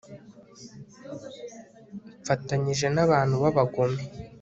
mfatanyije n'abantu b'abagome